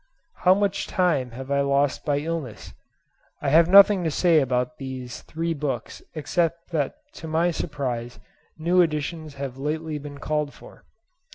How much time have I lost by illness?" I have nothing to say about these three books except that to my surprise new editions have lately been called for.